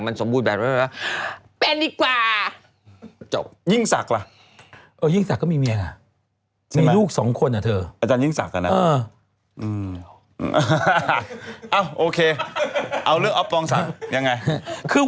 มันซ้องคอนเสิร์ตอยู่